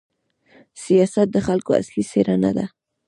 سیاست د خلکو اصلي څېره نه ده.